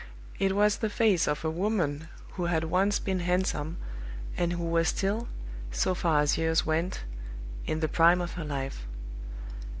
It was the face of a woman who had once been handsome, and who was still, so far as years went, in the prime of her life.